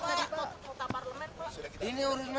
kalau pak mau nya berapa pak